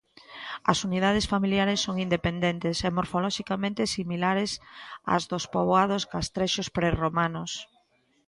As unidades familiares son independentes e morfoloxicamente similares ás dos poboados castrexos prerromanos.